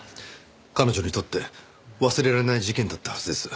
彼女にとって忘れられない事件だったはずです。